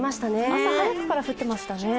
朝早くから降ってましたね。